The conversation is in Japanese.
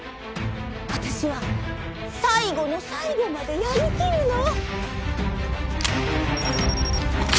あたしは最後の最後までやり切るの！